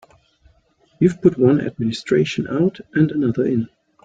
You've put one administration out and another in.